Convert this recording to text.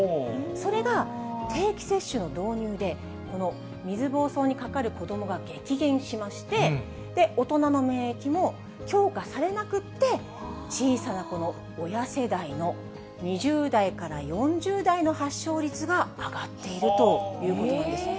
それが、定期接種の導入で、この水ぼうそうにかかる子どもが激減しまして、大人の免疫も強化されなくて、小さな子の親世代の２０代から４０代の発症率が上がっているということなんです。